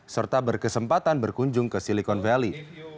serta berkesempatan berkunjung ke silicon valley